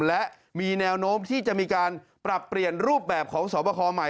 และมีแนวโน้มที่จะมีการปรับเปลี่ยนรูปแบบของสอบคอใหม่